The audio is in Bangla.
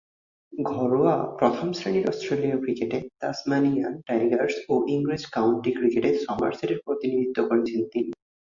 ঘরোয়া প্রথম-শ্রেণীর অস্ট্রেলীয় ক্রিকেটে তাসমানিয়ান টাইগার্স ও ইংরেজ কাউন্টি ক্রিকেটে সমারসেটের প্রতিনিধিত্ব করেছেন তিনি।